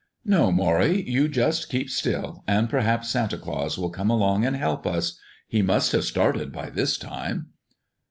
"No, Morrie, you just keep still, and perhaps Santa Claus will come along and help us. He must have started by this time."